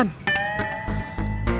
baunya menyengat komandan